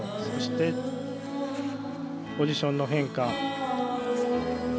そして、ポジションの変化。